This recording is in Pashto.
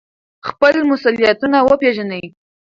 خپل مسؤلیتونه وپیژنئ.